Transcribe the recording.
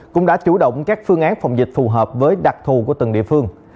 cũng đã chủ động các phương án phòng dịch phù hợp với đặc thù của từng địa phương